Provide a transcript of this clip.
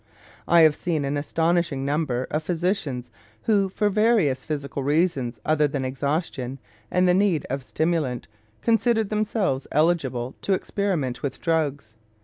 I have seen an astonishing number of physicians who for various physical reasons other than exhaustion and the need of stimulant considered themselves eligible to experiment with drugs.